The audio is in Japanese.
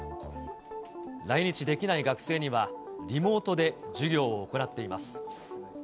来日できない学生には、リモートで授業を行っています。